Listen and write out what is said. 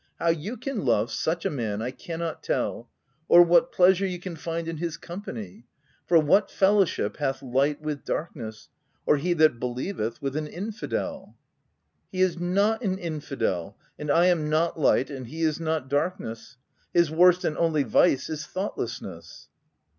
How you can love such a man I cannot tell, or what pleasure you can find in his company ; for ( What fellowship hath light with darkness ; or he that believeth with an infidel ?'"" He is not an infidel ;— and I am not light, and he is not darkness, his worst and only vice is thoughtlessness."